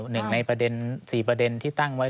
หนึ่งใน๔ประเด็นที่ตั้งไว้